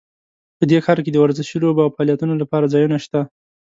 په دې ښار کې د ورزشي لوبو او فعالیتونو لپاره ځایونه شته